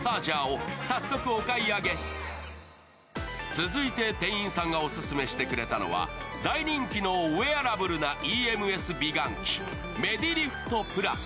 続いて店員さんがオススメしてくれたのは大人気のウェアラブルなＥＭＳ美顔器、メディリフトプラス。